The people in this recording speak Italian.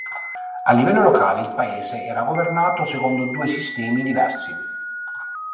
A livello locale il paese era governato secondo due sistemi diversi.